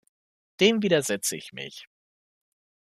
Dem widersetze ich mich.